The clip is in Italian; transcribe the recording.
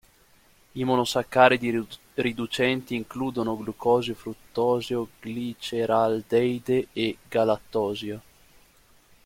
I monosaccaridi riducenti includono glucosio, fruttosio, gliceraldeide e galattosio.